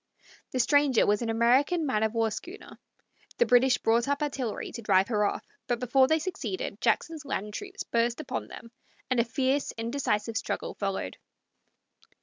The stranger was an American man of war schooner. The British brought up artillery to drive her off, but before they succeeded Jackson's land troops burst upon them, and a fierce, indecisive struggle followed.